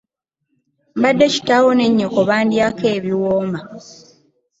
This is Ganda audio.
Mbadde kitaawo ne nnyoko bandyako ebiwooma.